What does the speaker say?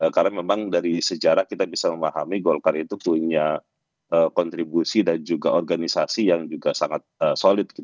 karena memang dari sejarah kita bisa memahami gokar itu punya kontribusi dan juga organisasi yang juga sangat solid